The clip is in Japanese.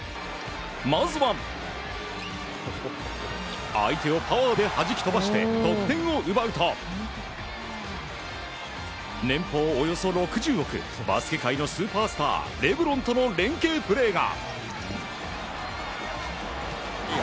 まずは相手をパワーで弾き飛ばして得点を奪うと、年俸およそ６０億バスケ界のスーパースターレブロンとの連係プレーが。